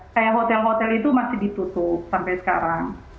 kayak hotel hotel itu masih ditutup sampai sekarang